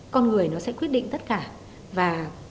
con người nó sẽ quyết định tất cả